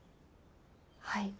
はい。